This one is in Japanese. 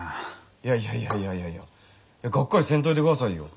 いやいやいやいやいやいやがっかりせんといてくださいよ。